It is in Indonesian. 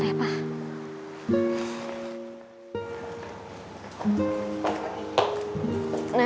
aku telpon ya